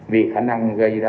vì khả năng gây ra